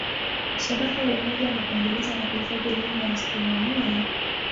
Shabaha ya umoja ni kuendeleza na kuhifadhi elimu ya astronomia.